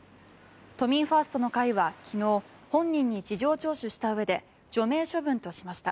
都民ファーストの会は昨日本人に事情聴取したうえで除名処分としました。